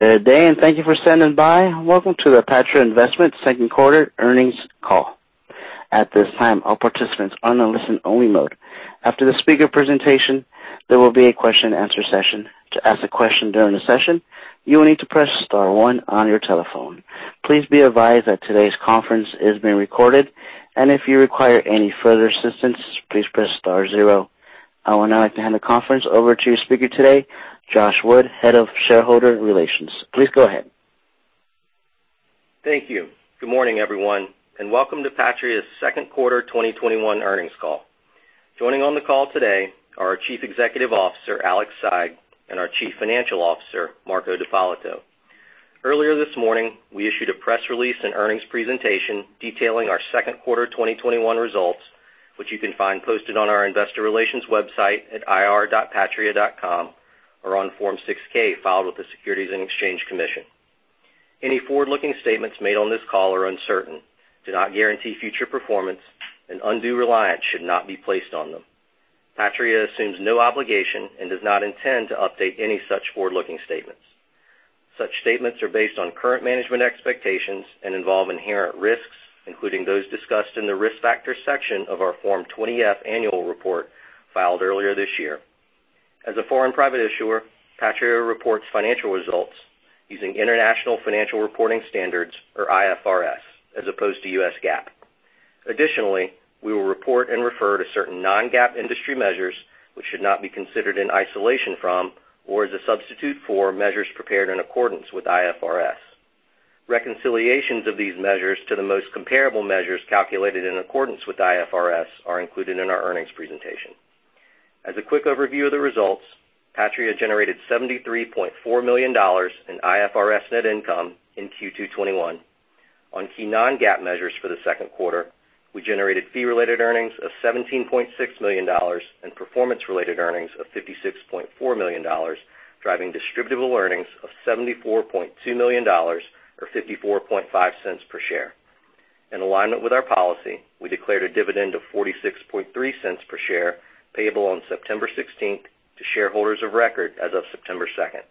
Good day, and thank you for standing by. Welcome to the Patria Investments Second Quarter Earnings Call. At this time all participants are on listen-only mode. After the speaker presentation there will be a question-and-answer session. To ask a question down the session, you will need to press star one on your telephone. Please be advised that today's conference is being recorded and if you require any further assistance please press star zero. I would now like to hand the conference over to your speaker today, Josh Wood, Head of Shareholder Relations. Please go ahead. Thank you. Good morning, everyone, and welcome to Patria's Second Quarter 2021 Earnings Call. Joining on the call today are our Chief Executive Officer, Alex Saigh, and our Chief Financial Officer, Marco D'Ippolito. Earlier this morning, we issued a press release and earnings presentation detailing our second quarter 2021 results, which you can find posted on our investor relations website at ir.patria.com or on Form 6-K filed with the Securities and Exchange Commission. Any forward-looking statements made on this call are uncertain, do not guarantee future performance, and undue reliance should not be placed on them. Patria assumes no obligation and does not intend to update any such forward-looking statements. Such statements are based on current management expectations and involve inherent risks, including those discussed in the Risk Factors section of our Form 20-F annual report filed earlier this year. As a foreign private issuer, Patria reports financial results using International Financial Reporting Standards, or IFRS, as opposed to US GAAP. Additionally, we will report and refer to certain non-GAAP industry measures, which should not be considered in isolation from or as a substitute for measures prepared in accordance with IFRS. Reconciliations of these measures to the most comparable measures calculated in accordance with IFRS are included in our earnings presentation. As a quick overview of the results, Patria generated $73.4 million in IFRS net income in Q2 2021. On key non-GAAP measures for the second quarter, we generated fee-related earnings of $17.6 million and performance-related earnings of $56.4 million, driving distributable earnings of $74.2 million or $0.545 per share. In alignment with our policy, we declared a dividend of $0.463 per share payable on September 16 to shareholders of record as of September 2nd.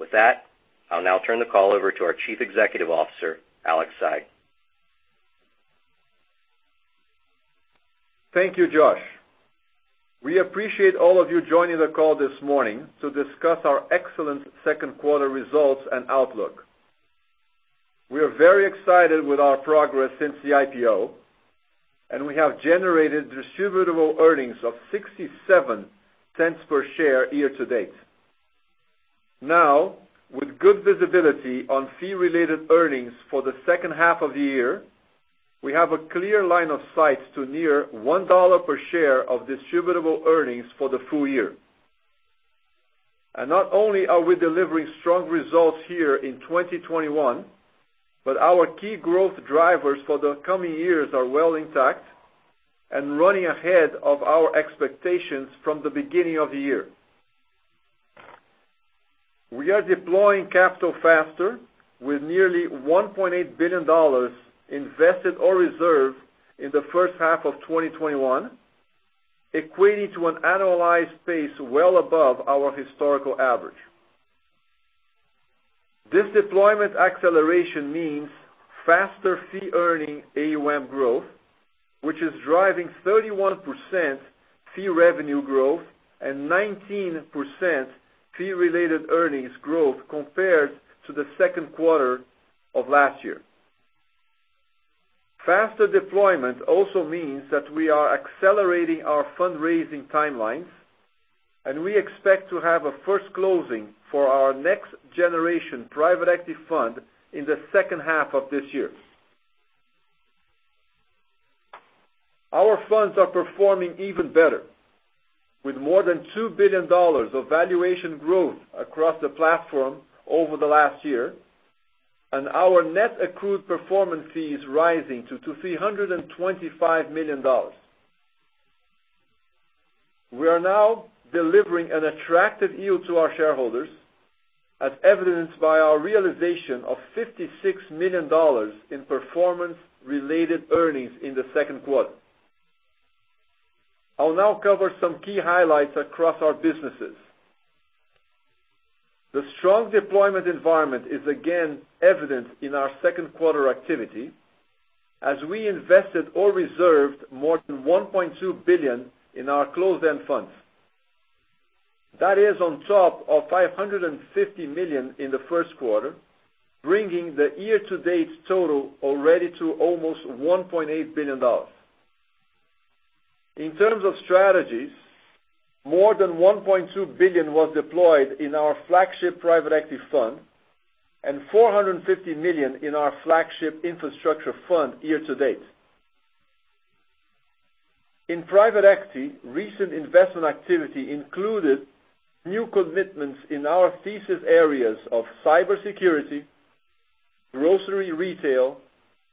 With that, I'll now turn the call over to our Chief Executive Officer, Alex Saigh. Thank you, Josh. We appreciate all of you joining the call this morning to discuss our excellent second quarter results and outlook. We are very excited with our progress since the IPO, and we have generated distributable earnings of 0.67 per share year-to-date. Now, with good visibility on fee-related earnings for the second half of the year, we have a clear line of sight to near BRL 1 per share of distributable earnings for the full year. Not only are we delivering strong results here in 2021, but our key growth drivers for the coming years are well intact and running ahead of our expectations from the beginning of the year. We are deploying capital faster with nearly BRL 1.8 billion invested or reserved in the first half of 2021, equating to an annualized pace well above our historical average. This deployment acceleration means faster fee-earning AUM growth, which is driving 31% fee revenue growth and 19% fee-related earnings growth compared to the second quarter of last year. Faster deployment also means that we are accelerating our fundraising timelines, and we expect to have a first closing for our next generation Private Equity Fund in the second half of this year. Our funds are performing even better with more than BRL 2 billion of valuation growth across the platform over the last year, and our net accrued performance fees rising to BRL 325 million. We are now delivering an attractive yield to our shareholders, as evidenced by our realization of BRL 56 million in performance-related earnings in the second quarter. I'll now cover some key highlights across our businesses. The strong deployment environment is again evident in our second quarter activity as we invested or reserved more than $1.2 billion in our closed-end funds. That is on top of $550 million in the first quarter, bringing the year-to-date total already to almost $1.8 billion. In terms of strategies, more than $1.2 billion was deployed in our flagship Private Equity Fund and $450 million in our flagship Infrastructure Fund year-to-date. In private equity, recent investment activity included new commitments in our thesis areas of cybersecurity, grocery retail,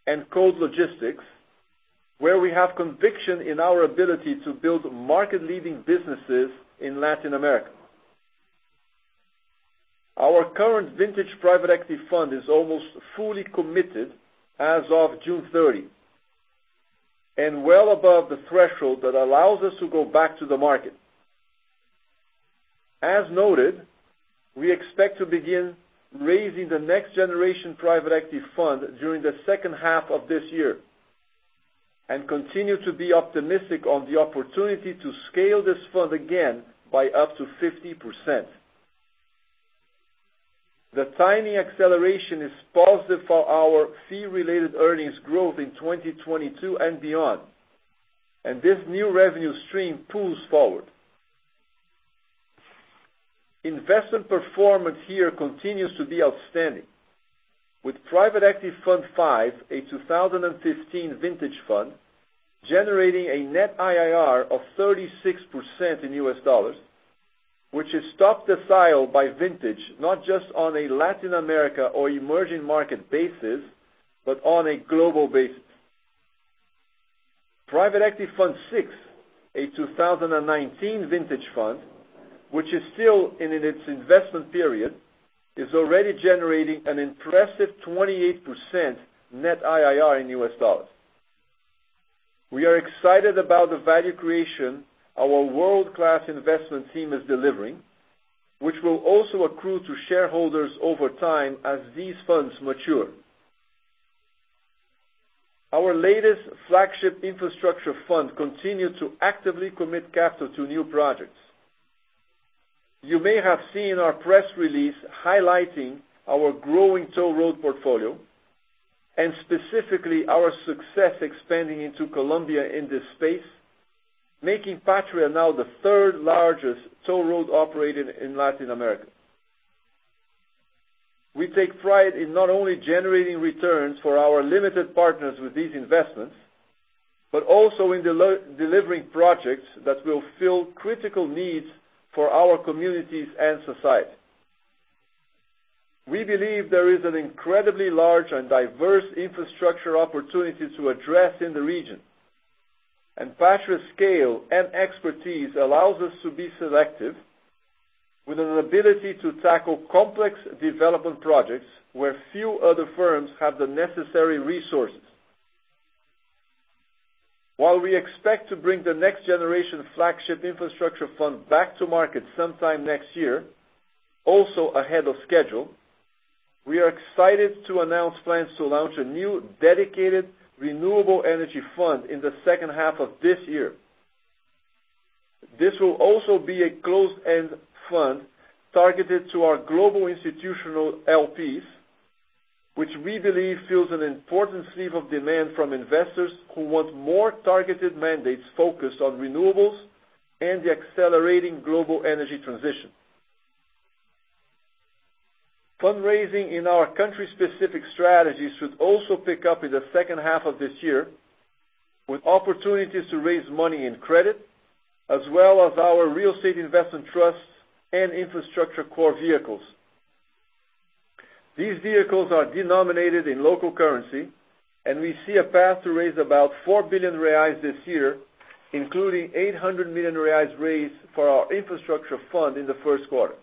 and cold logistics, where we have conviction in our ability to build market-leading businesses in Latin America. Our current vintage Private Equity Fund is almost fully committed as of June 30. Well above the threshold that allows us to go back to the market. As noted, we expect to begin raising the next generation Private Equity Fund during the second half of this year, and continue to be optimistic on the opportunity to scale this fund again by up to 50%. The timing acceleration is positive for our fee-related earnings growth in 2022 and beyond, and this new revenue stream pulls forward. Investment performance here continues to be outstanding. With Private Equity Fund V, a 2015 vintage fund, generating a net IRR of 36% in U.S. dollars, which is top decile by vintage, not just on a Latin America or emerging market basis, but on a global basis. Private Equity Fund VI, a 2019 vintage fund, which is still in its investment period, is already generating an impressive 28% net IRR in U.S. dollars. We are excited about the value creation our world-class investment team is delivering, which will also accrue to shareholders over time as these funds mature. Our latest flagship infrastructure fund continued to actively commit capital to new projects. You may have seen our press release highlighting our growing toll road portfolio, and specifically our success expanding into Colombia in this space, making Patria now the third-largest toll road operator in Latin America. We take pride in not only generating returns for our limited partners with these investments, but also in delivering projects that will fill critical needs for our communities and society. We believe there is an incredibly large and diverse infrastructure opportunity to address in the region, and Patria's scale and expertise allows us to be selective, with an ability to tackle complex development projects where few other firms have the necessary resources. While we expect to bring the next generation flagship infrastructure fund back to market sometime next year, also ahead of schedule, we are excited to announce plans to launch a new dedicated renewable energy fund in the second half of this year. This will also be a closed-end fund targeted to our global institutional LPs, which we believe fills an important sleeve of demand from investors who want more targeted mandates focused on renewables and the accelerating global energy transition. Fundraising in our country-specific strategies should also pick up in the second half of this year, with opportunities to raise money in credit, as well as our real estate investment trusts and infrastructure core vehicles. These vehicles are denominated in local currency, and we see a path to raise about 4 billion reais this year, including 800 million reais raised for our infrastructure fund in the first quarter.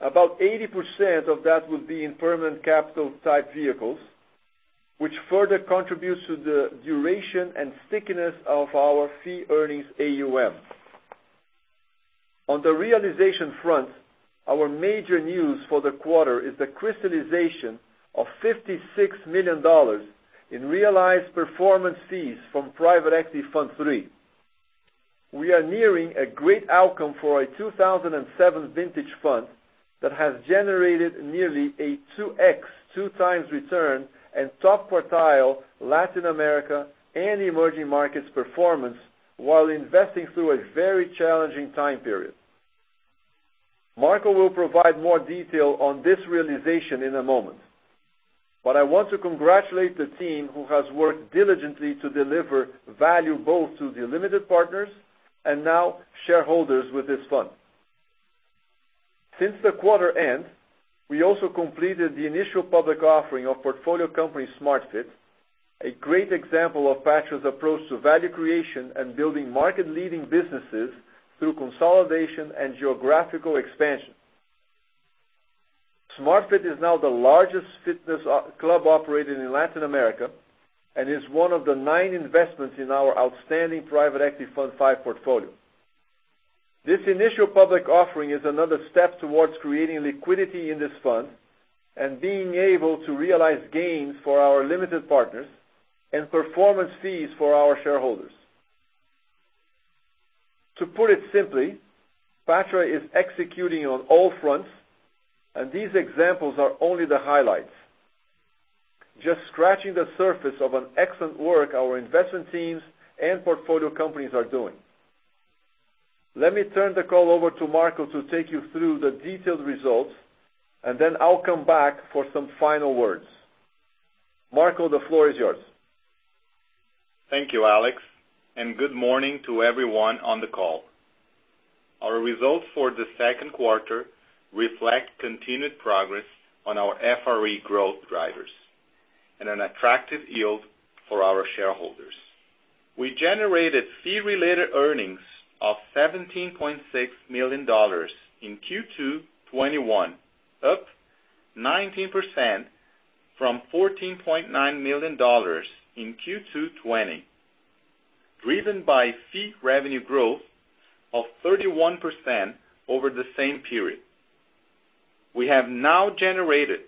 About 80% of that will be in permanent capital-type vehicles, which further contributes to the duration and stickiness of our fee-earning AUM. On the realization front, our major news for the quarter is the crystallization of $56 million in realized performance fees from Private Equity Fund III. We are nearing a great outcome for a 2007 vintage fund that has generated nearly a 2x return in top-quartile Latin America and emerging markets performance while investing through a very challenging time period. Marco will provide more detail on this realization in a moment, but I want to congratulate the team who has worked diligently to deliver value both to the limited partners and now shareholders with this fund. Since the quarter end, we also completed the initial public offering of portfolio company Smart Fit, a great example of Patria's approach to value creation and building market-leading businesses through consolidation and geographical expansion. Smart Fit is now the largest fitness club operator in Latin America and is one of the nine investments in our outstanding Private EquityFund V portfolio. This initial public offering is another step towards creating liquidity in this fund and being able to realize gains for our limited partners and performance fees for our shareholders. To put it simply, Patria is executing on all fronts, and these examples are only the highlights. Just scratching the surface of an excellent work our investment teams and portfolio companies are doing. Let me turn the call over to Marco to take you through the detailed results, and then I'll come back for some final words. Marco, the floor is yours. Thank you, Alex, and good morning to everyone on the call. Our results for the second quarter reflect continued progress on our FRE growth drivers and an attractive yield for our shareholders. We generated fee-related earnings of $17.6 million in Q2 2021, up 19% from $14.9 million in Q2 2020, driven by fee revenue growth of 31% over the same period. We have now generated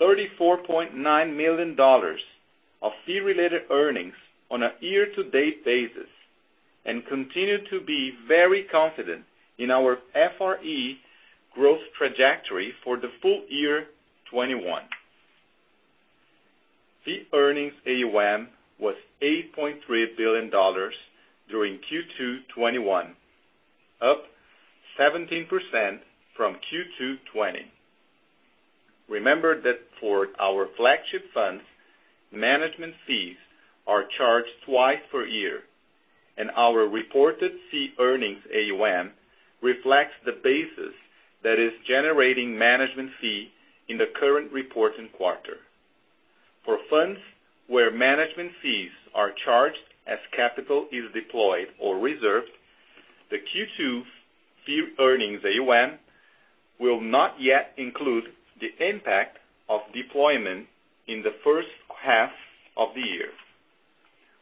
$34.9 million of fee-related earnings on a year-to-date basis and continue to be very confident in our FRE growth trajectory for the full year 2021. Fee-earning AUM was $8.3 billion during Q2 2021, up 17% from Q2 2020. Remember that for our flagship funds, management fees are charged twice per year, and our reported fee-earning AUM reflects the basis that is generating management fee in the current reporting quarter. For funds where management fees are charged as capital is deployed or reserved, the Q2 fee-earning AUM will not yet include the impact of deployment in the first half of the year,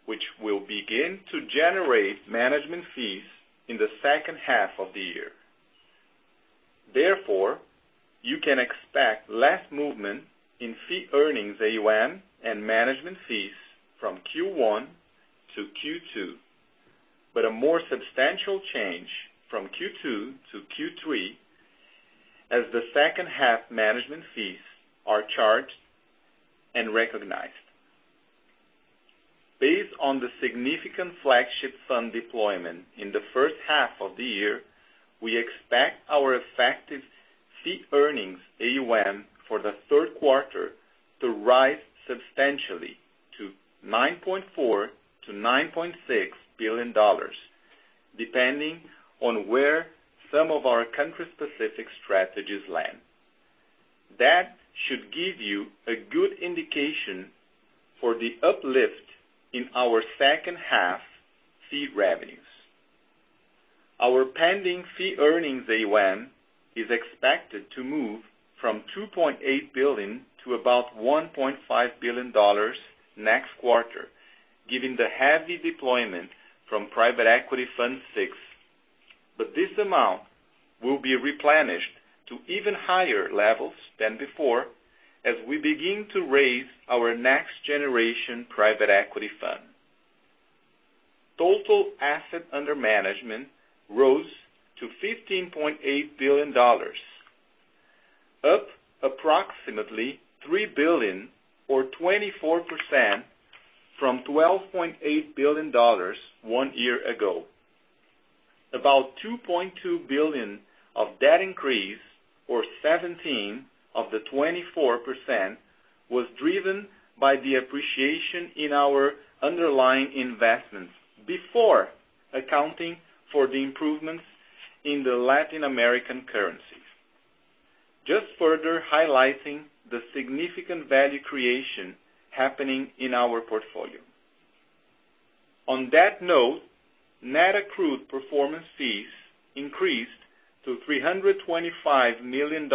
which will begin to generate management fees in the second half of the year. You can expect less movement in fee-earning AUM and management fees from Q1 to Q2, but a more substantial change from Q2 to Q3 as the second-half management fees are charged and recognized. Based on the significant flagship fund deployment in the first half of the year, we expect our effective fee-earning AUM for the third quarter to rise substantially to $9.4 billion-$9.6 billion, depending on where some of our country-specific strategies land. That should give you a good indication for the uplift in our second-half fee revenues. Our pending fee-earning AUM is expected to move from 2.8 billion to about BRL 1.5 billion next quarter, given the heavy deployment from Private Equity Fund VI. This amount will be replenished to even higher levels than before as we begin to raise our next generation Private Equity Fund. Total Assets Under Management rose to BRL 15.8 billion, up approximately 3 billion or 24% from BRL 12.8 billion one year ago. About 2.2 billion of that increase, or 17% of the 24%, was driven by the appreciation in our underlying investments before accounting for the improvements in the Latin American currencies, just further highlighting the significant value creation happening in our portfolio. On that note, net accrued performance fees increased to BRL 325 million,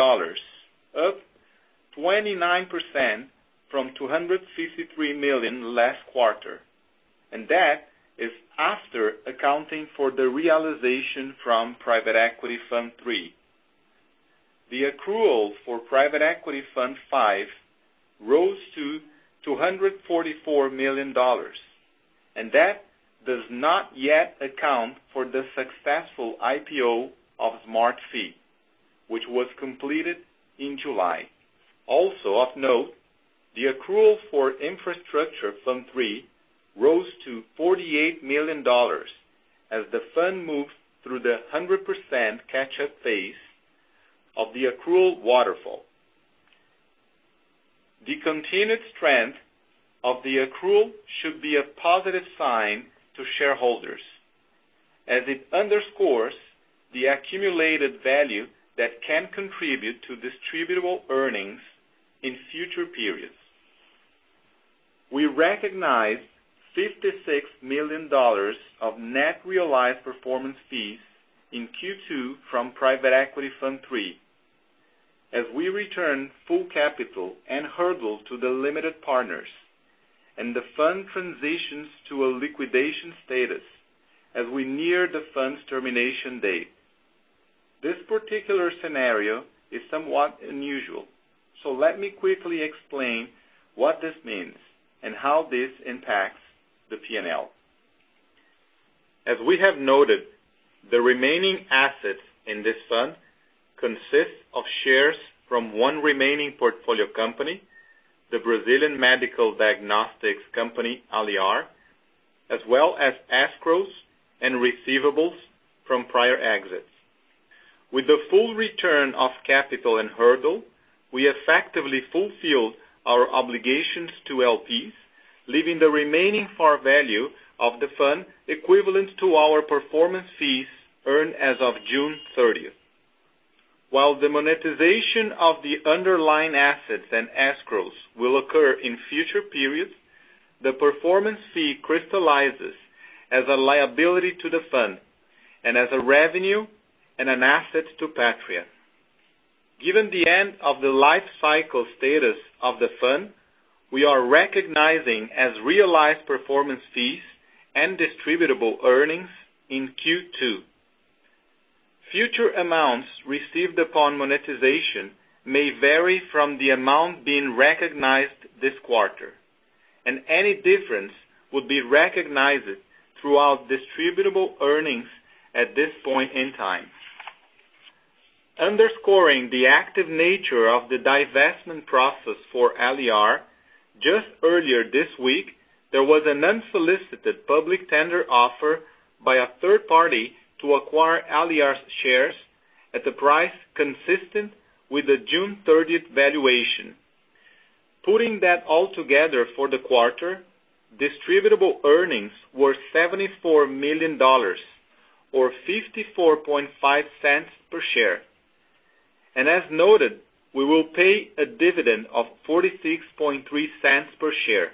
up 29% from 253 million last quarter, and that is after accounting for the realization from Private Equity Fund III. The accrual for Private Equity Fund V rose to $244 million, and that does not yet account for the successful IPO of Smart Fit, which was completed in July. Also of note, the accrual for Infrastructure Fund 3 rose to $48 million as the fund moved through the 100% catch-up phase of the accrual waterfall. The continued strength of the accrual should be a positive sign to shareholders, as it underscores the accumulated value that can contribute to distributable earnings in future periods. We recognized $56 million of net realized performance fees in Q2 from Private Equity Fund III as we return full capital and hurdle to the limited partners and the fund transitions to a liquidation status as we near the fund's termination date. This particular scenario is somewhat unusual, let me quickly explain what this means and how this impacts the P&L. As we have noted, the remaining assets in this fund consist of shares from one remaining portfolio company, the Brazilian medical diagnostics company, Alliar, as well as escrows and receivables from prior exits. With the full return of capital and hurdle, we effectively fulfill our obligations to LPs, leaving the remaining fair value of the fund equivalent to our performance fees earned as of June 30. While the monetization of the underlying assets and escrows will occur in future periods, the performance fee crystallizes as a liability to the fund and as a revenue and an asset to Patria. Given the end of the life cycle status of the fund, we are recognizing as realized performance fees and distributable earnings in Q2. Future amounts received upon monetization may vary from the amount being recognized this quarter, and any difference would be recognized throughout distributable earnings at this point in time. Underscoring the active nature of the divestment process for Alliar, just earlier this week, there was an unsolicited public tender offer by a third party to acquire Alliar's shares at the price consistent with the June 30th valuation. Putting that all together for the quarter, distributable earnings were $74 million, or $0.545 per share. As noted, we will pay a dividend of $0.463 per share.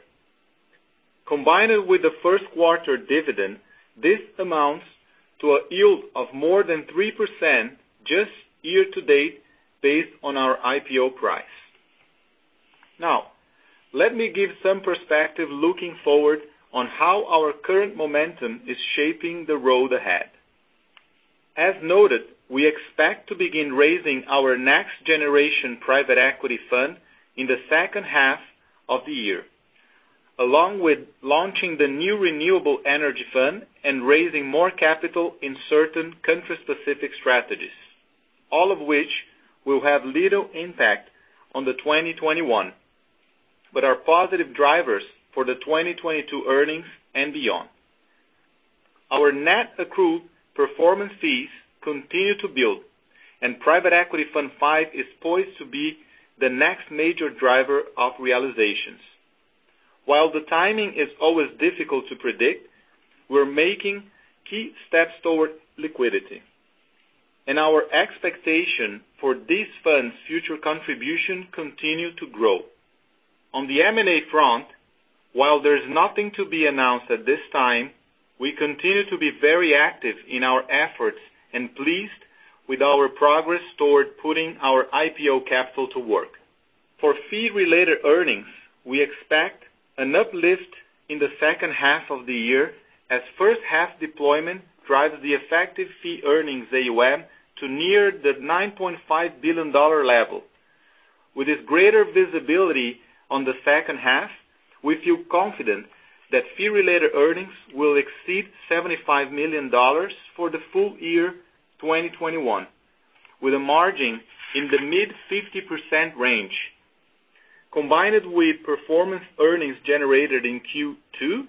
Combined with the first quarter dividend, this amounts to a yield of more than 3% just year-to-date based on our IPO price. Let me give some perspective looking forward on how our current momentum is shaping the road ahead. As noted, we expect to begin raising our next generation Private Equity Fund in the second half of the year, along with launching the new renewable energy fund and raising more capital in certain country-specific strategies, all of which will have little impact on the 2021, but are positive drivers for the 2022 earnings and beyond. Our net accrued performance fees continue to build, and Private Equity Fund V is poised to be the next major driver of realizations. While the timing is always difficult to predict, we're making key steps toward liquidity, and our expectation for this fund's future contribution continue to grow. On the M&A front, while there's nothing to be announced at this time, we continue to be very active in our efforts and pleased with our progress toward putting our IPO capital to work. For fee-related earnings, we expect an uplift in the second half of the year as first-half deployment drives the effective fee-earning AUM to near the $9.5 billion level. With this greater visibility on the second half, we feel confident that fee-related earnings will exceed $75 million for the full year 2021, with a margin in the mid 50% range. Combined with performance earnings generated in Q2,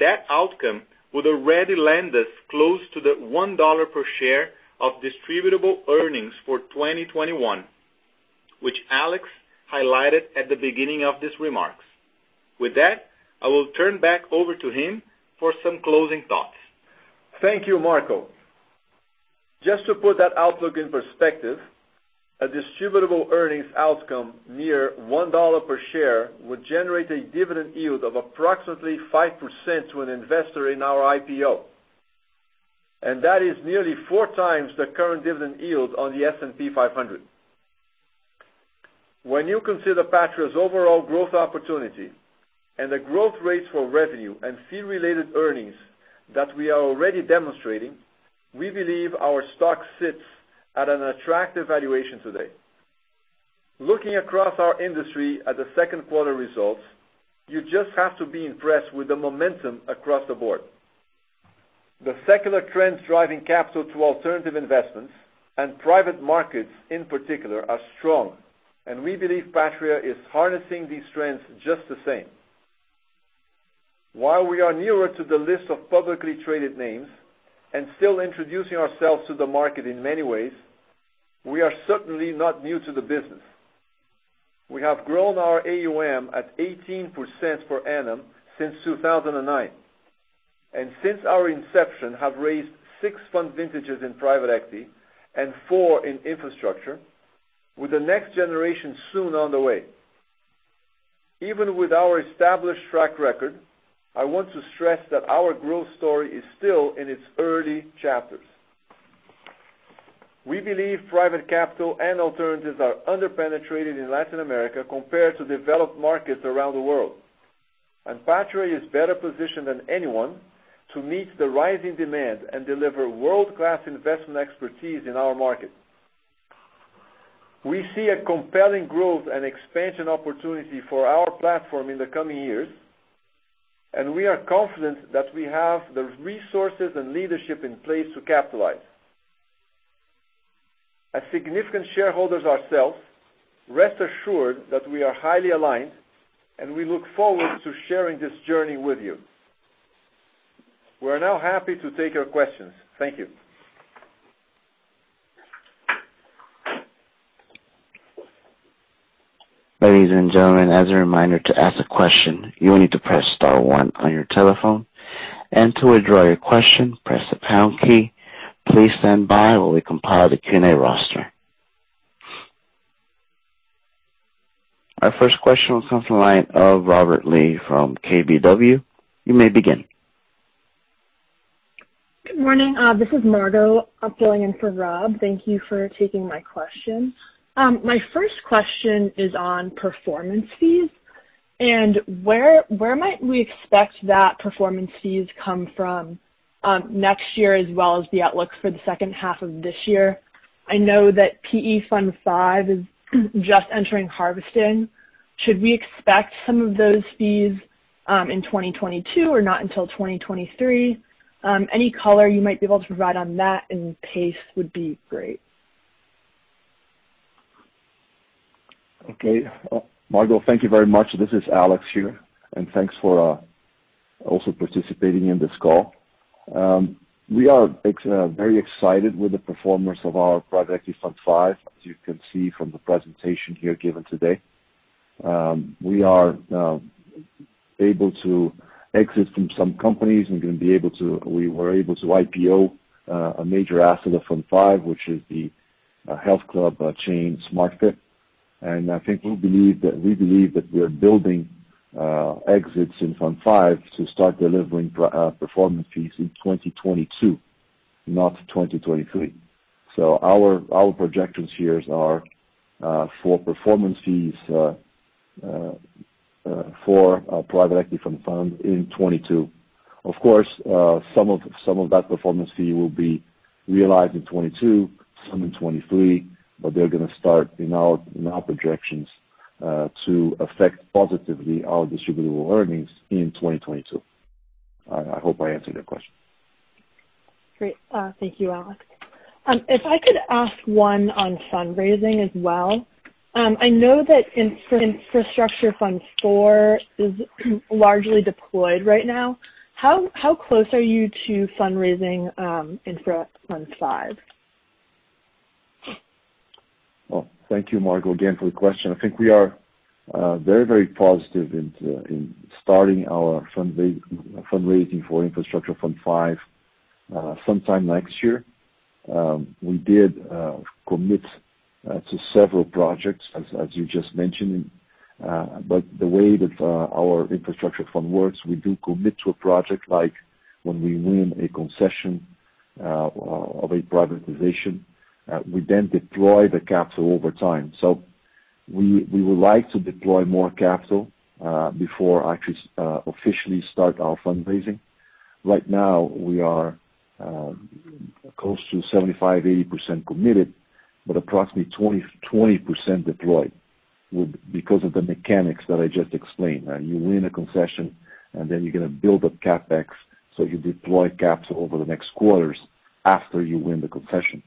that outcome would already land us close to the $1 per share of distributable earnings for 2021, which Alex highlighted at the beginning of these remarks. I will turn back over to him for some closing thoughts. Thank you, Marco. Just to put that outlook in perspective, a distributable earnings outcome near $1 per share would generate a dividend yield of approximately 5% to an investor in our IPO. That is nearly 4x the current dividend yield on the S&P 500. When you consider Patria's overall growth opportunity and the growth rates for revenue and fee-related earnings that we are already demonstrating, we believe our stock sits at an attractive valuation today. Looking across our industry at the second quarter results, you just have to be impressed with the momentum across the board. The secular trends driving capital to alternative investments and private markets in particular are strong, and we believe Patria is harnessing these trends just the same. While we are newer to the list of publicly traded names and still introducing ourselves to the market in many ways, we are certainly not new to the business. We have grown our AUM at 18% per annum since 2009. Since our inception, have raised six fund vintages in private equity and four in infrastructure with the next generation soon on the way. Even with our established track record, I want to stress that our growth story is still in its early chapters. We believe private capital and alternatives are under-penetrated in Latin America compared to developed markets around the world. Patria is better positioned than anyone to meet the rising demand and deliver world-class investment expertise in our market. We see a compelling growth and expansion opportunity for our platform in the coming years, and we are confident that we have the resources and leadership in place to capitalize. As significant shareholders ourselves, rest assured that we are highly aligned, and we look forward to sharing this journey with you. We are now happy to take your questions. Thank you. Ladies and gentlemen, as a reminder, to ask a question, you will need to press star one on your telephone, and to withdraw your question, press the pound key. Please stand by while we compile the Q&A roster. Our first question will come from the line of Robert Lee from KBW. You may begin. Good morning. This is Margo, I'm filling in for Rob. Thank you for taking my question. My first question is on performance fees and where might we expect that performance fees come from next year as well as the outlook for the second half of this year? I know that PE Fund V is just entering harvesting. Should we expect some of those fees in 2022 or not until 2023? Any color you might be able to provide on that and pace would be great. Okay. Margo, thank you very much. This is Alex here, and thanks for also participating in this call. We are very excited with the performance of our Private Equity Fund V, as you can see from the presentation here given today. We are able to exit from some companies. We were able to IPO a major asset of Fund V, which is the health club chain, Smart Fit. I think we believe that we are building exits in Fund V to start delivering performance fees in 2022, not 2023. Our projections here are for performance fees for Private Equity Fund in 2022. Of course, some of that performance fee will be realized in 2022, some in 2023, but they're going to start in our projections to affect positively our distributable earnings in 2022. I hope I answered your question. Great. Thank you, Alex. If I could ask one on fundraising as well. I know that Infrastructure Fund IV is largely deployed right now. How close are you to fundraising Infra Fund V? Thank you, Margo, again, for the question. I think we are very positive in starting our fundraising for Infrastructure Fund V sometime next year. We did commit to several projects, as you just mentioned. The way that our infrastructure fund works, we do commit to a project like when we win a concession of a privatization. We then deploy the capital over time. We would like to deploy more capital before actually officially start our fundraising. Right now, we are close to 75%, 80% committed, but approximately 20% deployed because of the mechanics that I just explained. You win a concession and then you're going to build up CapEx, so you deploy capital over the next quarters after you win the concession.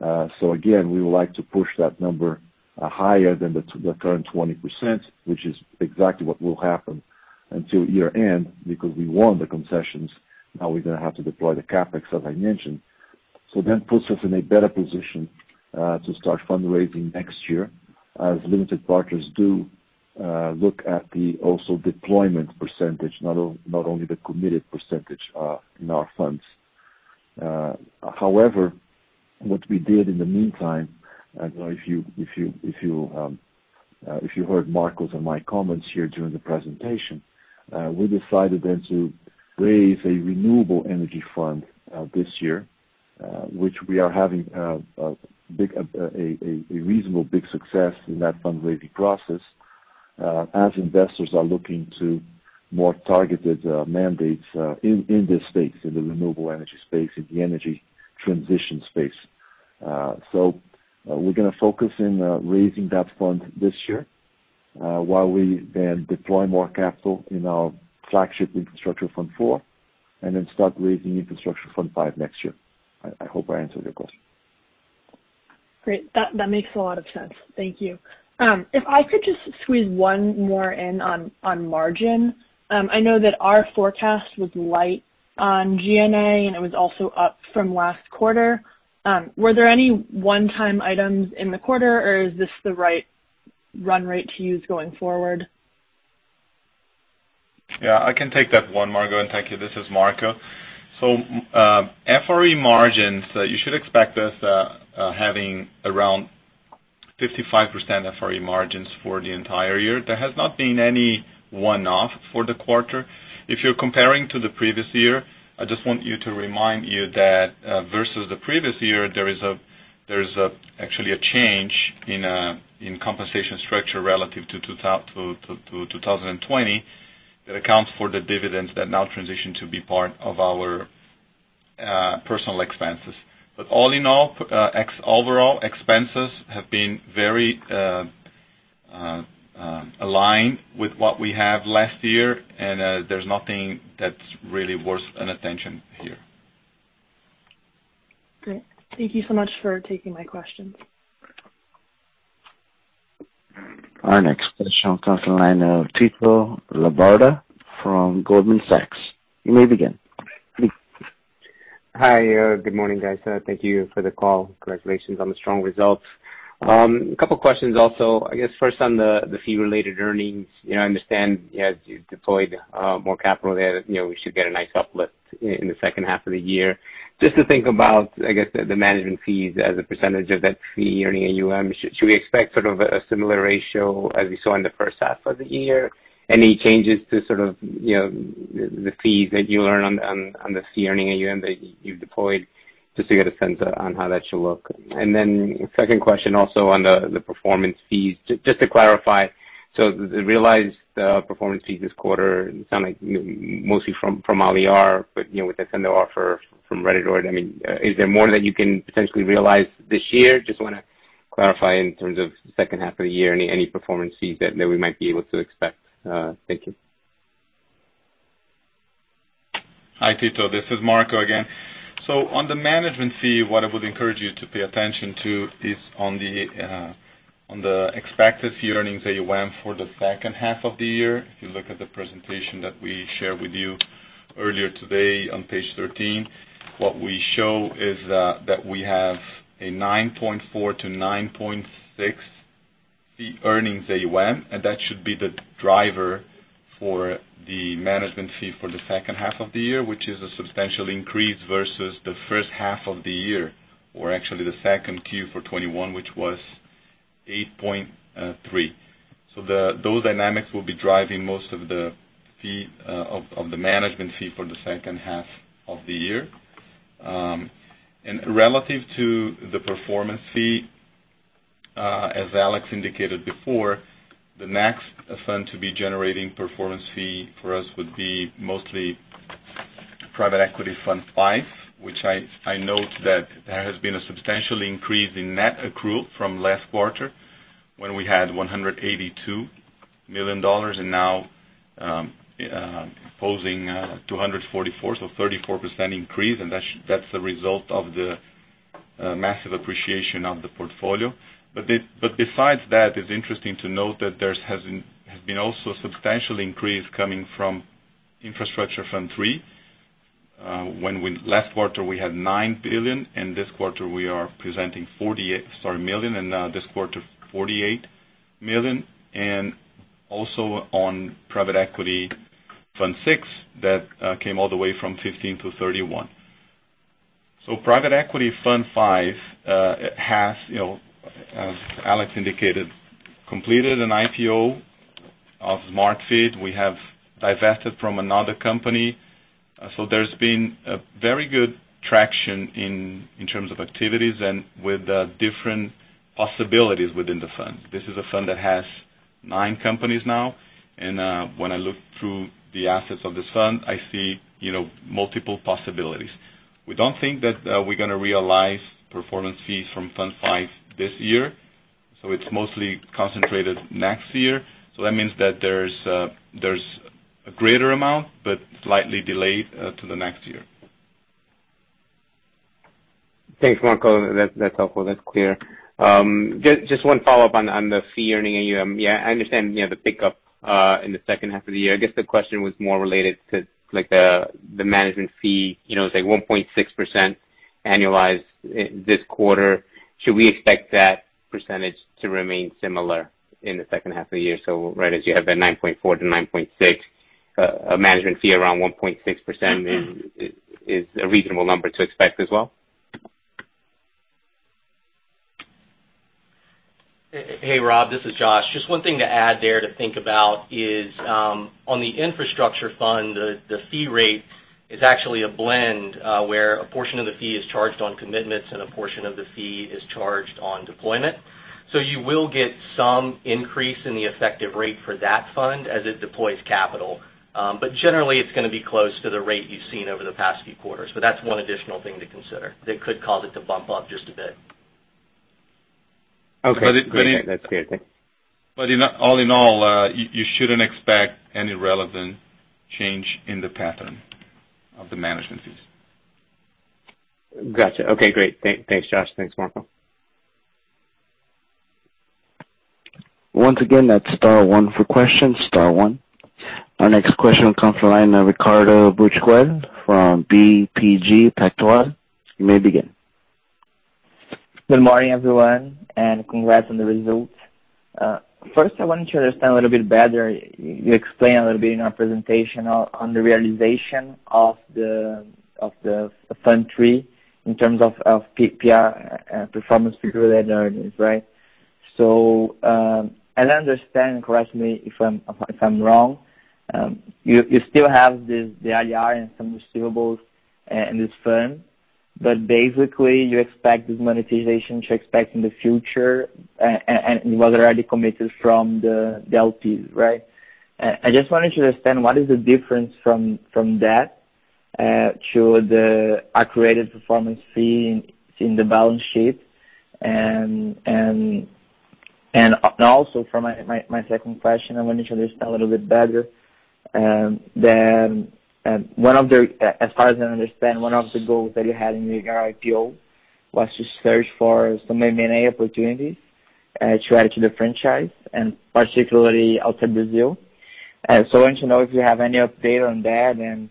Again, we would like to push that number higher than the current 20%, which is exactly what will happen until year-end, because we won the concessions. We're going to have to deploy the CapEx, as I mentioned. That puts us in a better position to start fundraising next year as limited partners do look at the also deployment percentage, not only the committed percentage in our funds. However, what we did in the meantime, if you heard Marco's and my comments here during the presentation, we decided then to raise a renewable energy fund this year which we are having a reasonable big success in that fundraising process as investors are looking to more targeted mandates in this space, in the renewable energy space, in the energy transition space. We're going to focus on raising that fund this year while we then deploy more capital in our flagship Infrastructure Fund IV, and then start raising Infrastructure Fund V next year. I hope I answered your question. Great. That makes a lot of sense. Thank you. If I could just squeeze one more in on margin. I know that our forecast was light on G&A, and it was also up from last quarter. Were there any one-time items in the quarter, or is this the right run rate to use going forward? Yeah, I can take that one, Margo, and thank you. This is Marco. FRE margins, you should expect us having around 55% FRE margins for the entire year. There has not been any one-off for the quarter. If you're comparing to the previous year, I just want to remind you that versus the previous year, there's actually a change in compensation structure relative to 2020 that accounts for the dividends that now transition to be part of our personal expenses. All in all, overall expenses have been very aligned with what we had last year, and there's nothing that's really worth an attention here. Great. Thank you so much for taking my questions. Our next question comes from the line of Tito Labarta from Goldman Sachs. You may begin. Hi, good morning, guys. Thank you for the call. Congratulations on the strong results. A couple questions also. I guess first on the fee-related earnings. I understand as you deployed more capital there, we should get a nice uplift in the second half of the year. Just to think about, I guess, the management fees as a percentage of that fee-earning AUM, should we expect sort of a similar ratio as we saw in the first half of the year? Any changes to sort of the fees that you earn on the fee-earning AUM that you deployed, just to get a sense on how that should look. Then second question also on the performance fees. Just to clarify, the realized performance fees this quarter sound like mostly from Alliar, but with the tender offer from Rede D'Or. Is there more that you can potentially realize this year? Just want to clarify in terms of the second half of the year, any performance fees that we might be able to expect? Thank you. Hi, Tito. This is Marco again. On the management fee, what I would encourage you to pay attention to is on the expected fee-earning AUM for the second half of the year. If you look at the presentation that we shared with you earlier today on page 13, what we show is that we have a 9.4-9.6 fee-earning AUM, and that should be the driver for the management fee for the second half of the year, which is a substantial increase versus the first half of the year. Actually the second Q for 2021, which was 8.3. Those dynamics will be driving most of the management fee for the second half of the year. Relative to the performance fee, as Alex indicated before, the next fund to be generating performance fee for us would be mostly Private Equity Fund V, which I note that there has been a substantial increase in net accrual from last quarter when we had BRL 182 million and now posing 244 million, so 34% increase. That's the result of the massive appreciation of the portfolio. Besides that, it's interesting to note that there has been also a substantial increase coming from Infrastructure Fund 3. Last quarter, we had 9 billion, and this quarter we are presenting 48 million, and also on Private Equity Fund VI, that came all the way from 15 million to 31 million. Private Equity Fund V has, as Alex indicated, completed an IPO of Smart Fit. We have divested from another company. There's been a very good traction in terms of activities and with different possibilities within the fund. This is a fund that has nine companies now, and when I look through the assets of this fund, I see multiple possibilities. We don't think that we're going to realize performance fees from Fund 5 this year, it's mostly concentrated next year. That means that there's a greater amount, but slightly delayed to the next year. Thanks, Marco. That's helpful. That's clear. Just one follow-up on the fee-earning AUM. Yeah, I understand the pickup in the second half of the year. I guess the question was more related to the management fee, say 1.6% annualized this quarter. Should we expect that percentage to remain similar in the second half of the year? Right as you have that 9.4-9.6, a management fee around 1.6% is a reasonable number to expect as well? Hey, Robert, this is Josh Wood. Just one thing to add there to think about is, on the infrastructure fund, the fee rate is actually a blend where a portion of the fee is charged on commitments and a portion of the fee is charged on deployment. You will get some increase in the effective rate for that fund as it deploys capital. Generally, it's going to be close to the rate you've seen over the past few quarters. That's one additional thing to consider that could cause it to bump up just a bit. Okay. That's clear. Thanks. All in all, you shouldn't expect any relevant change in the pattern of the management fees. Got you. Okay, great. Thanks, Josh. Thanks, Marco. Once again it's star one for questions, star one. Our next question comes from the line of Ricardo Buchpiguel from BTG Pactual. You may begin. Good morning, everyone, and congrats on the results. First, I wanted to understand a little bit better, you explained a little bit in our presentation on the realization of the Fund 3 in terms of PRE performance fee-related earnings, right? I understand, correct me if I'm wrong, you still have the IRR and some receivables in this fund, but basically, you expect this monetization to expect in the future, and it was already committed from the LPs, right? I just wanted to understand what is the difference from that to the accrued performance fee in the balance sheet. Also for my second question, I wanted to understand a little bit better. As far as I understand, one of the goals that you had in your IPO was to search for some M&A opportunities to add to the franchise and particularly outside Brazil. I want to know if you have any update on that and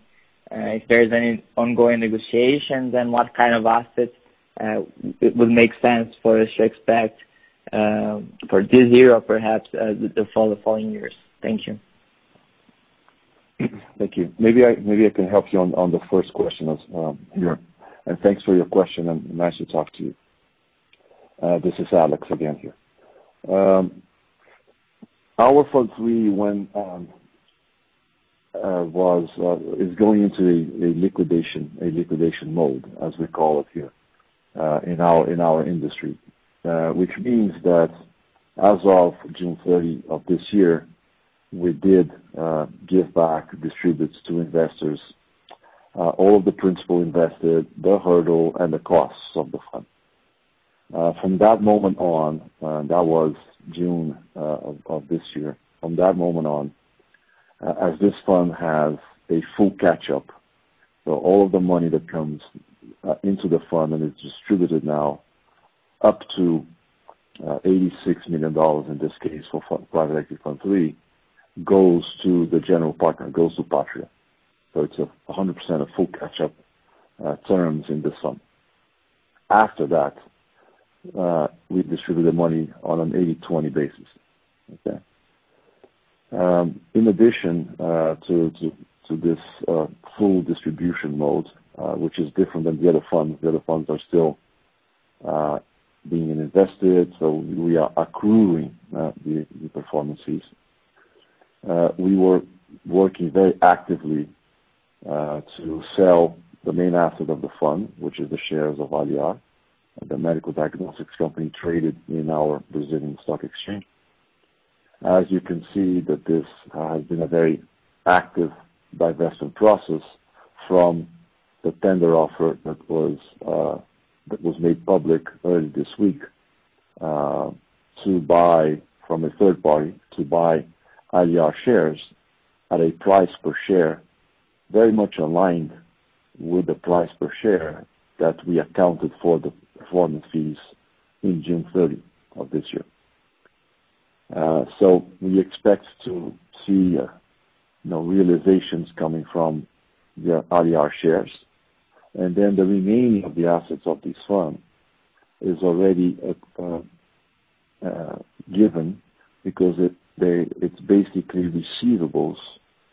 if there's any ongoing negotiations and what kind of assets would make sense for us to expect for this year or perhaps the following years. Thank you. Thank you. Maybe I can help you on the first question as well. Thanks for your question, and nice to talk to you. This is Alex again here. Our fund 3 is going into a liquidation mode, as we call it here in our industry. Which means that as of June 30 of this year, we did give back distributes to investors all of the principal invested, the hurdle, and the costs of the fund. From that moment on, that was June of this year. From that moment on, as this fund has a full catch-up. All of the money that comes into the fund and is distributed now up to BRL 86 million in this case for Private Equity Fund III, goes to the general partner, goes to Patria. It's 100% of full catch-up terms in this fund. After that, we distribute the money on an 80/20 basis. Okay? In addition to this full distribution mode, which is different than the other funds, the other funds are still being invested, so we are accruing the performances. We were working very actively to sell the main asset of the fund, which is the shares of Alliar, the medical diagnostics company traded in our Brazilian Stock Exchange. As you can see that this has been a very active divestment process from the tender offer that was made public early this week to buy from a third party, to buy Alliar shares at a price per share very much aligned with the price per share that we accounted for the performance fees in June 30 of this year. We expect to see realizations coming from the Alliar shares. The remaining of the assets of this fund is already given because it's basically receivables,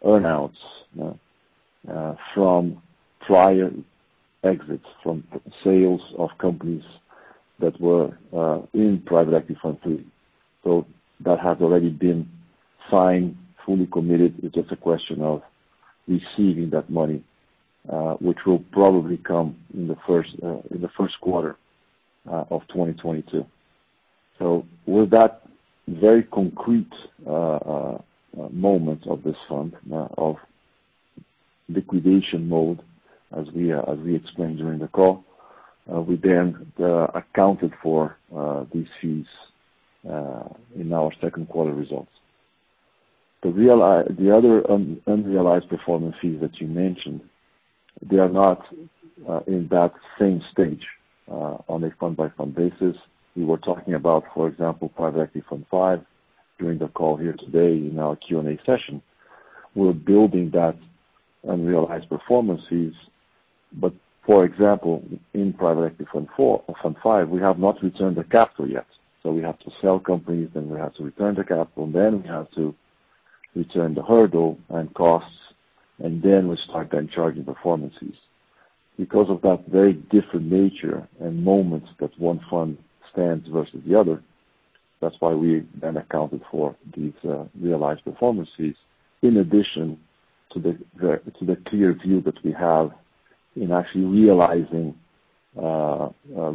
earn-outs from prior exits, from sales of companies that were in Private Equity Fund III. That has already been signed, fully committed. It's just a question of receiving that money which will probably come in the first quarter of 2022. With that very concrete moment of this fund of liquidation mode as we explained during the call, we then accounted for these fees in our second quarter results. The other unrealized performance fees that you mentioned, they are not in that same stage on a fund-by-fund basis. We were talking about, for example, Private Equity Fund V during the call here today in our Q&A session. We're building that unrealized performances. In Private Equity Fund V, we have not returned the capital yet. We have to sell companies, then we have to return the capital, and then we have to return the hurdle and costs, and then we start charging performances. Because of that very different nature and moments that one fund stands versus the other, that's why we then accounted for these realized performances in addition to the clear view that we have in actually realizing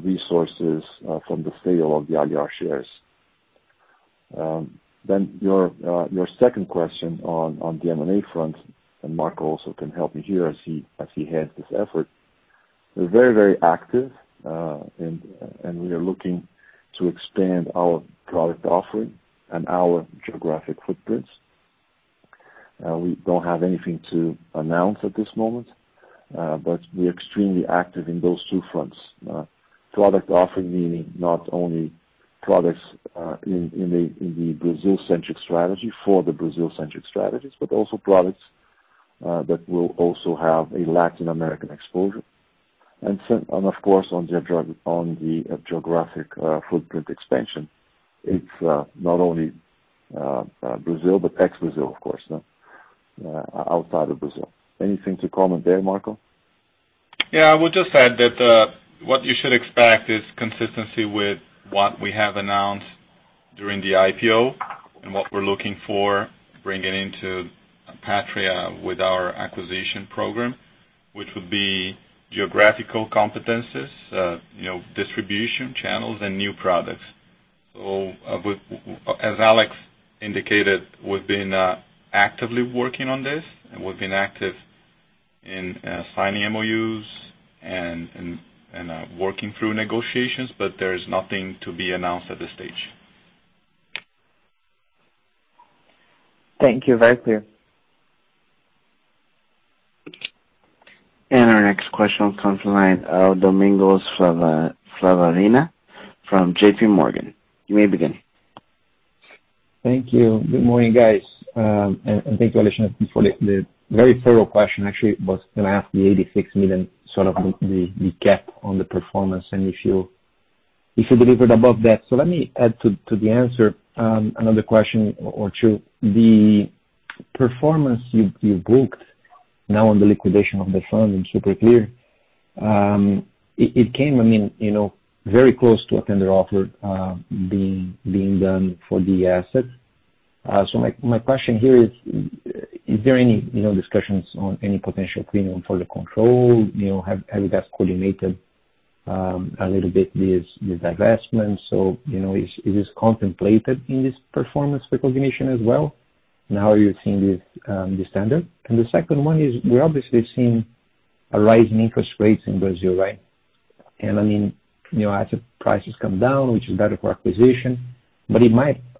resources from the sale of the Alliar shares. Your second question on the M&A front, and Marco also can help me here as he heads this effort. We're very active, and we are looking to expand our product offering and our geographic footprints. We don't have anything to announce at this moment, but we are extremely active in those two fronts. Product offering meaning not only products in the Brazil-centric strategy for the Brazil-centric strategies, but also products that will also have a Latin American exposure. Of course, on the geographic footprint expansion, it's not only Brazil, but ex-Brazil, of course. Outside of Brazil. Anything to comment there, Marco? Yeah. I would just add that what you should expect is consistency with what we have announced during the IPO and what we're looking for bringing into Patria with our acquisition program, which would be geographical competencies, distribution channels, and new products. As Alex indicated, we've been actively working on this and we've been active in signing MOUs and working through negotiations. There is nothing to be announced at this stage. Thank you. Very clear. Our next question comes from the line of Domingos Falavina from JPMorgan. You may begin. Thank you. Good morning, guys. Thank you, Alex, for the very thorough question. Actually, I was going to ask the $86 million sort of the cap on the performance, and if you delivered above that. Let me add to the answer another question or two. The performance you've booked now on the liquidation of the fund is super clear. It came very close to a tender offer being done for the asset. My question here is: Is there any discussions on any potential premium for the control? Have you guys coordinated a little bit with divestments, or is this contemplated in this performance recognition as well? Now you're seeing this standard. The second one is, we're obviously seeing a rise in interest rates in Brazil, right? As the prices come down, which is better for acquisition, but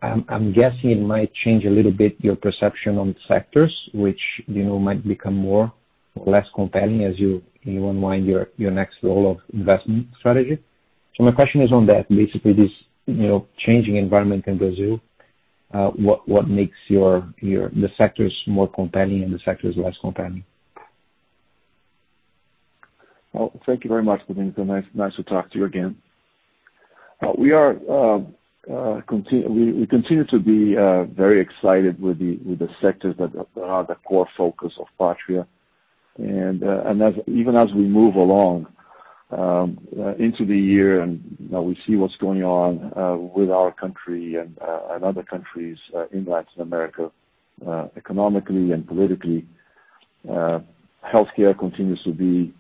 I'm guessing it might change a little bit your perception on sectors, which might become more or less compelling as you unwind your next roll of investment strategy. My question is on that. Basically, this changing environment in Brazil, what makes the sectors more compelling and the sectors less compelling? Well, thank you very much, Domingos. Nice to talk to you again. We continue to be very excited with the sectors that are the core focus of Patria. Even as we move along into the year, and now we see what's going on with our country and other countries in Latin America economically and politically. Healthcare continues to be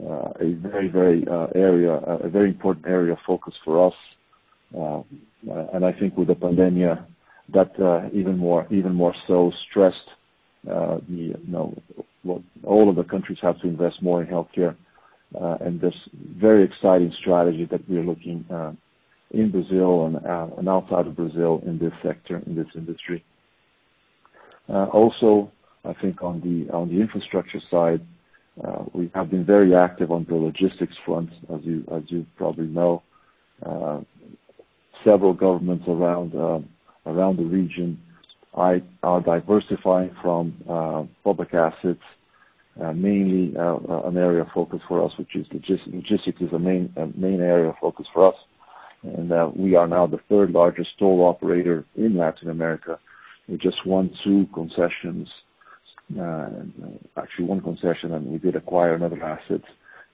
a very important area of focus for us. I think with the pandemic, that even more so stressed all of the countries have to invest more in healthcare, and this very exciting strategy that we are looking in Brazil and outside of Brazil in this sector, in this industry. Also, I think on the infrastructure side, we have been very active on the logistics front, as you probably know. Several governments around the region are diversifying from public assets. Mainly an area of focus for us, which is logistics is the main area of focus for us. We are now the third largest toll operator in Latin America. We just won two concessions. Actually, one concession, and we did acquire another asset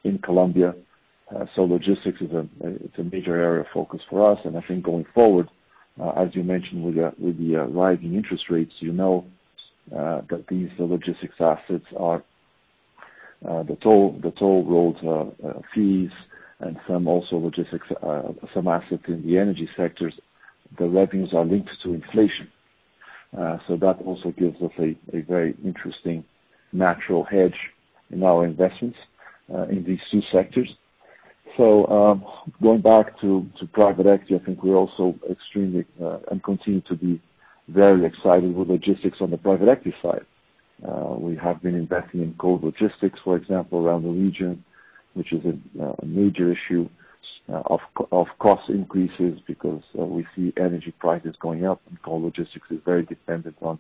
in Colombia. Logistics, it's a major area of focus for us. I think going forward, as you mentioned, with the rising interest rates, you know that these logistics assets are the toll roads fees and some also logistics, some assets in the energy sectors, the revenues are linked to inflation. That also gives us a very interesting natural hedge in our investments in these two sectors. Going back to private equity, I think we're also extremely, and continue to be very excited with logistics on the private equity side. We have been investing in cold logistics, for example, around the region, which is a major issue of cost increases because we see energy prices going up, and cold logistics is very dependent on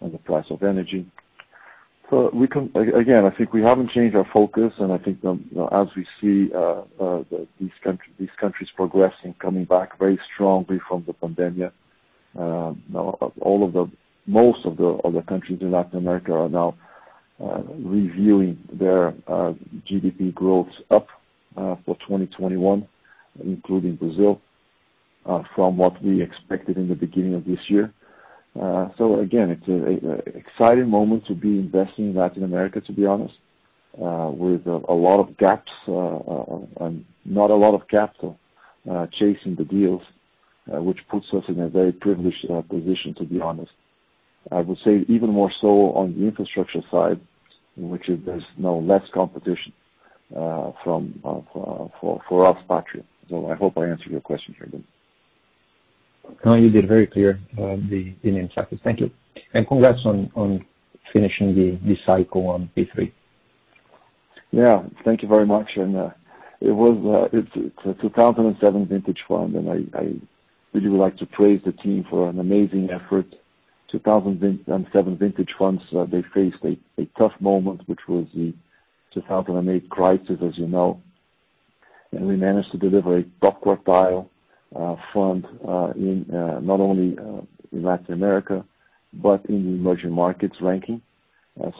the price of energy. Again, I think we haven't changed our focus, and I think as we see these countries progressing, coming back very strongly from the pandemic. Most of the other countries in Latin America are now reviewing their GDP growth up for 2021, including Brazil, from what we expected in the beginning of this year. Again, it's an exciting moment to be investing in Latin America, to be honest, with a lot of gaps and not a lot of capital chasing the deals, which puts us in a very privileged position, to be honest. I would say even more so on the infrastructure side, in which there's less competition for us, Patria. I hope I answered your question here, Domingos. No, you did very clear the chapters. Thank you. Congrats on finishing the cycle on P3. Yeah. Thank you very much. It's a 2007 vintage fund, and I really would like to praise the team for an amazing effort. 2007 vintage funds, they faced a tough moment, which was the 2008 crisis, as you know, and we managed to deliver a top quartile fund, not only in Latin America, but in the emerging markets ranking.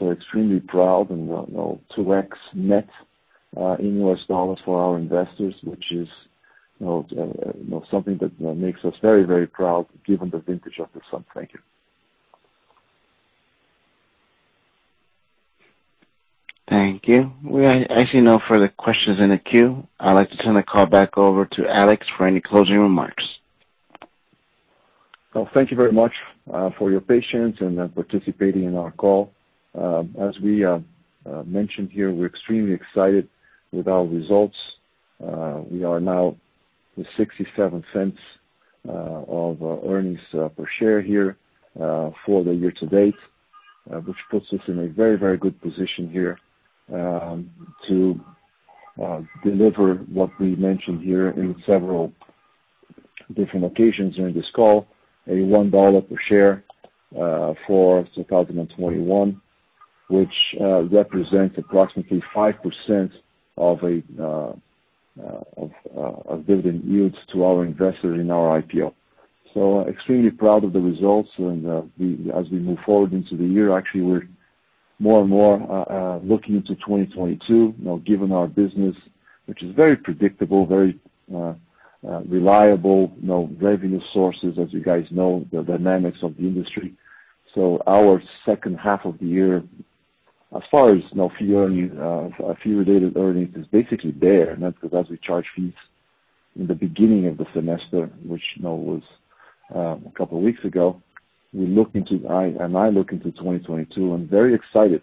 Extremely proud, and 2x net in U.S. dollars for our investors, which is something that makes us very proud given the vintage of this fund. Thank you. Thank you. We actually have no further questions in the queue. I would like to turn the call back over to Alex for any closing remarks. Well, thank you very much for your patience and participating in our call. As we mentioned here, we're extremely excited with our results. We are now at $0.67 of earnings per share here for the year-to-date, which puts us in a very good position here to deliver what we mentioned here in several different occasions during this call, $1 per share for 2021, which represents approximately 5% of dividend yields to our investors in our IPO. Extremely proud of the results. As we move forward into the year, actually, we're more and more looking into 2022, given our business, which is very predictable, very reliable revenue sources, as you guys know, the dynamics of the industry. Our second half of the year, as far as fee earnings, our fee-related earnings is basically there. That's because as we charge fees in the beginning of the semester, which was a couple of weeks ago, I look into 2022, I'm very excited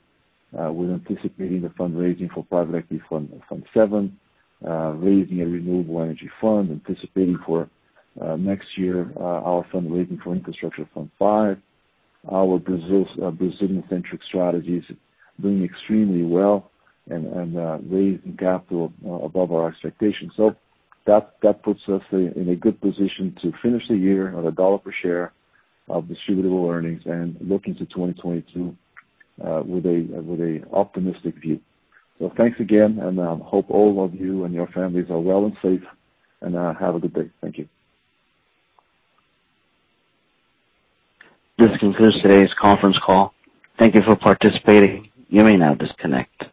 with anticipating the fundraising for Private Equity Fund VII, raising a renewable energy fund, anticipating for next year our fund raising for Infrastructure Fund V, our Brazilian-centric strategies doing extremely well and raising capital above our expectations. That puts us in a good position to finish the year at $1 per share of distributable earnings and look into 2022 with an optimistic view. Thanks again, hope all of you and your families are well and safe. Have a good day. Thank you. This concludes today's conference call. Thank you for participating. You may now disconnect.